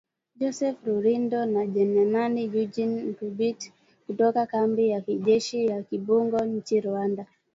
Joseph Rurindo na Jenerali Eugene Nkubit, kutoka kambi ya kijeshi ya Kibungo nchini Rwanda